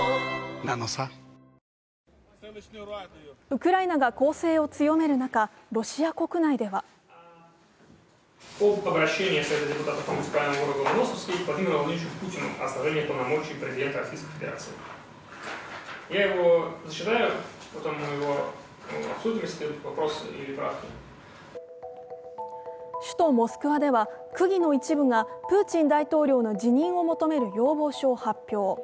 ウクライナが攻勢を強める中、ロシア国内では首都モスクワでは区議の一部がプーチン大統領の辞任を求める要望書を発表。